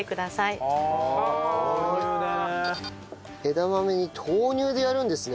枝豆に豆乳でやるんですね。